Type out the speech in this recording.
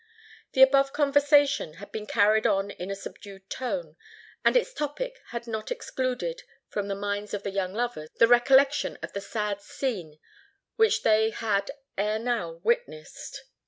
The above conversation had been carried on in a subdued tone; and its topic had not excluded from the minds of the young lovers the recollection of the sad scene which they had ere now witnessed.